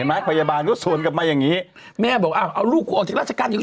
พยาบาลก็สวนกลับมาอย่างงี้แม่บอกอ้าวเอาลูกกูออกจากราชการอยู่